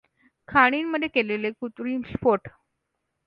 खाणींमध्ये केलेले कृत्रिम स्फोट.